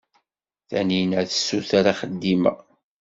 Tanina tessuter axeddim-a.